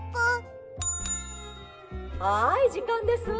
「はいじかんですわ！